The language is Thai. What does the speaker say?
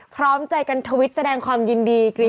พร้อมใจกันทวิตแสดงความยินดี